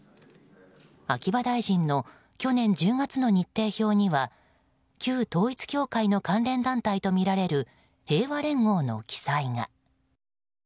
秋葉大臣の去年１０月の日程表には旧統一教会の関連団体とみられる平和連合の記載が。